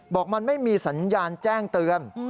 บอกมันไม่มีสัญญาณแจ้งเตือน